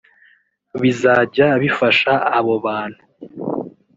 bizajya bifasha abo bantu